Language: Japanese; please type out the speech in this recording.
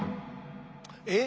えっ？